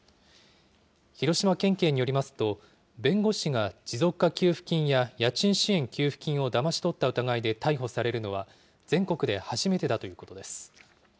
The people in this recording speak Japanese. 広島県警によりますと、弁護士が持続化給付金や家賃支援給付金をだまし取った疑いで逮捕されるのは、全国で初めてだということです。